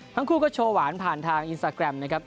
ทั้งคู่ก็โชว์หวานผ่านทางอินสตาแกรมนะครับ